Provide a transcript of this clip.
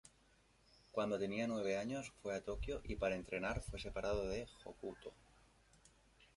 Cuando tenía nueve años fue a Tokio y para entrenar fue separado de Hokuto.